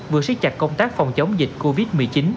vừa siết chặt công tác phòng chống dịch covid một mươi chín